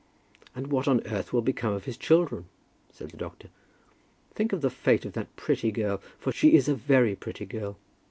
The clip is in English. "And what on earth will become of his children?" said the doctor. "Think of the fate of that pretty girl; for she is a very pretty girl.